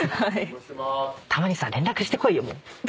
たまに連絡してこいよ！